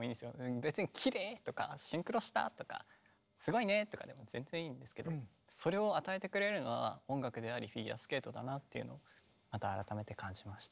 別にきれい！とかシンクロした！とかすごいね！とかでも全然いいんですけどそれを与えてくれるのは音楽でありフィギュアスケートだなっていうのをまた改めて感じました。